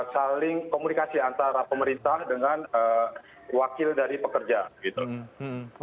saling komunikasi antara pemerintah dengan wakil dari pekerja gitu